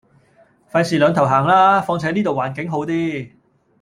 費事兩頭行啦，況且呢度環境好啲